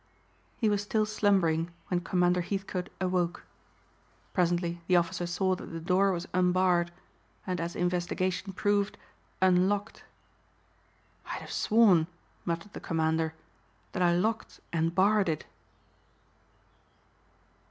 He was still slumbering when Commander Heathcote awoke. Presently the officer saw that the door was unbarred and as investigation proved, unlocked. "I'd have sworn," muttered the Commander, "that I locked and barred it."